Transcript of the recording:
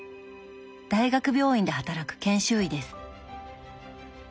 大学病院で働く研修医です。